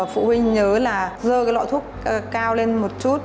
phụ huynh nhớ là dơ cái loại thuốc cao lên một chút